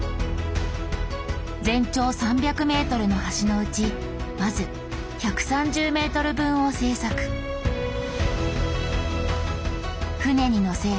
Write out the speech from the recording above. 全長３００ｍの橋のうちまず１３０ｍ分を製作船に載せ